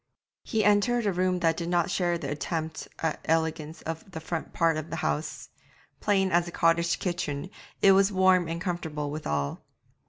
He entered a room that did not share the attempt at elegance of the front part of the house; plain as a cottage kitchen, it was warm and comfortable withal.